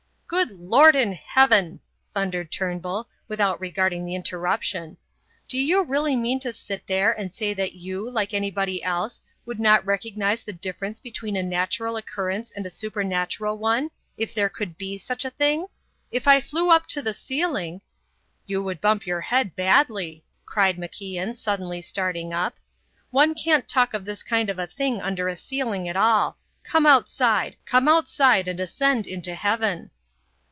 "Good Lord in heaven!" thundered Turnbull, without regarding the interruption. "Do you really mean to sit there and say that you, like anybody else, would not recognize the difference between a natural occurrence and a supernatural one if there could be such a thing? If I flew up to the ceiling " "You would bump your head badly," cried MacIan, suddenly starting up. "One can't talk of this kind of thing under a ceiling at all. Come outside! Come outside and ascend into heaven!"